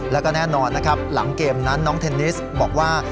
แล้วก็แน่นอนนะครับหลังเกมนั้นน้องเทนนิสบอกว่า